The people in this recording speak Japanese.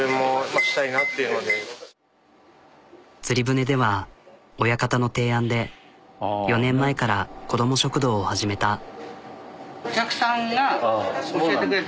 つり舟では親方の提案で４年前から子ども食堂を始めた。